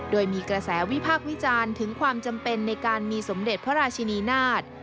โดยมีกระแสวิพากษ์วิจารณ์ถึงความจำเป็นในการมีสมเด็จพระราชินีนาฏ